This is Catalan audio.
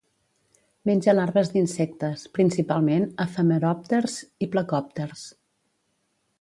Menja larves d'insectes, principalment efemeròpters i plecòpters.